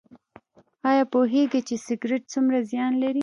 ایا پوهیږئ چې سګرټ څومره زیان لري؟